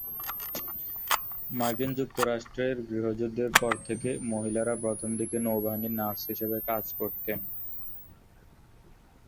মার্কিন যুক্তরাষ্ট্রের গৃহযুদ্ধের পর থেকে, মহিলারা প্রথম দিকে নৌবাহিনীর নার্স হিসেবে কাজ করতেন।